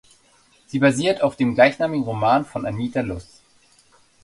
Sie basiert auf dem gleichnamigen Roman von Anita Loos.